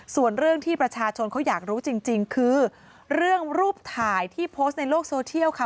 ส่วนเรื่องที่ประชาชนเขาอยากรู้จริงคือเรื่องรูปถ่ายที่โพสต์ในโลกโซเทียลค่ะ